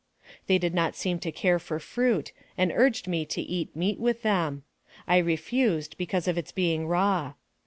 They did not seem to care for fruit, and urged me to eat meat with them. I refused, because of its being raw.